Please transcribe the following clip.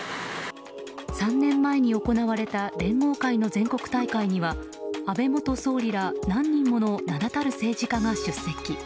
３年前に行われた連合会の全国大会では安倍元総理ら何人もの名だたる政治家が出席。